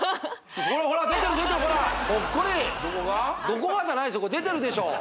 どこがじゃない出てるでしょう